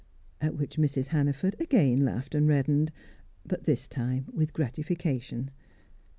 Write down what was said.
At which Mrs. Hannaford again laughed and reddened, but this time with gratification.